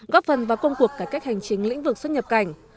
góp phần vào công cuộc cải cách hành chính lĩnh vực xuất nhập cảnh